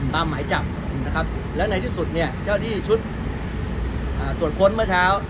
หมายจับนะครับและในที่สุดเนี่ยเจ้าที่ชุดตรวจค้นเมื่อเช้า